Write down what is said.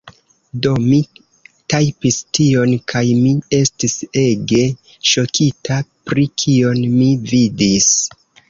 Do, mi tajpis tion... kaj mi estis ege ŝokita pri kion mi vidis